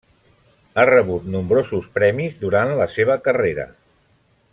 Ha rebut nombrosos premis durant la seva carrera.